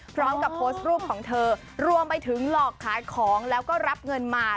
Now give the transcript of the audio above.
พร้อมกับโพสต์รูปของเธอรวมไปถึงหลอกขายของแล้วก็รับเงินมา